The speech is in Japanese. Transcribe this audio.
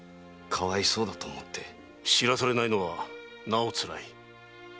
知らされないのはなお辛い。